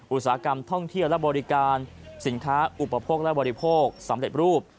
อุตสาหกรรมท่องเที่ยวและบริการสินค้าอุปโภคและบริโภคสำเร็จรูป